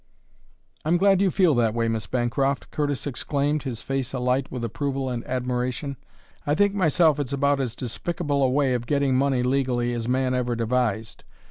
"I'm glad you feel that way, Miss Bancroft," Curtis exclaimed, his face alight with approval and admiration. "I think myself it's about as despicable a way of getting money legally as man ever devised.